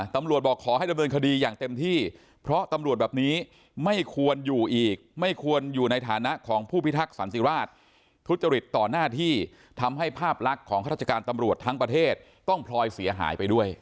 บอกขอให้ดำเนินคดีอย่างเต็มที่เพราะตำรวจแบบนี้ไม่ควรอยู่อีกไม่ควรอยู่ในฐานะของผู้พิทักษันติราชทุจริตต่อหน้าที่ทำให้ภาพลักษณ์ของข้าราชการตำรวจทั้งประเทศต้องพลอยเสียหายไปด้วย